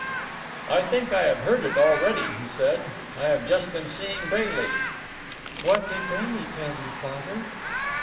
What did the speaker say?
"I think I have heard it already," he said. "I have just been seeing Bailey." "What did Bailey tell you, father?"